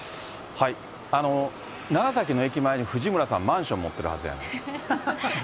長崎の駅前に藤村さん、マンション持ってるはずやん。